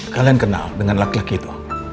kalian kenal dengan laki laki itu